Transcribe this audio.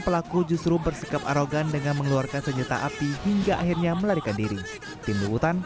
pelaku justru bersikap arogan dengan mengeluarkan senjata api hingga akhirnya melarikan diri tim liputan